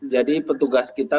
jadi petugas kita